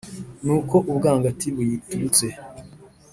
Nuko ubwangati buyiturutse,